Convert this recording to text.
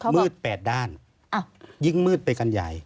มืด๘ด้านยิ่งมืดไปกันใหญ่